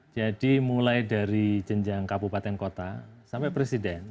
jadi mulai dari jenjang kabupaten kota sampai presiden